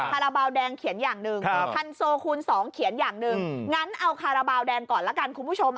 คาราบาลแดงเขียนอย่างหนึ่งคันโซคูณ๒เขียนอย่างหนึ่งงั้นเอาคาราบาลแดงก่อนละกันคุณผู้ชม